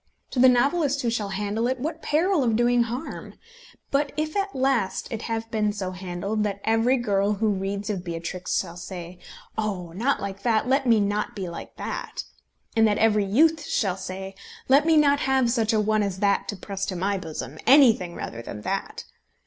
To the novelist who shall handle it, what peril of doing harm! But if at last it have been so handled that every girl who reads of Beatrix shall say: "Oh! not like that; let me not be like that!" and that every youth shall say: "Let me not have such a one as that to press my bosom, anything rather than that!"